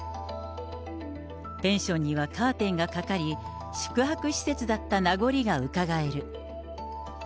ペンションにはカーテンがかかり、宿泊施設だった名残がうかがえる。